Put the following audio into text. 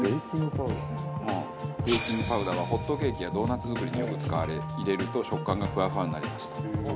ベーキングパウダーはホットケーキやドーナツ作りによく使われ入れると食感がふわふわになりますと。